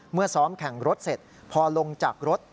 ซ้อมแข่งรถเสร็จพอลงจากรถ